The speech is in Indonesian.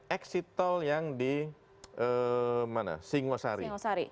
exit tol yang di singosari